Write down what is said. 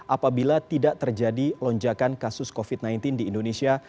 apabila tidak terjadi lonjakan kasus covid sembilan belas di indonesia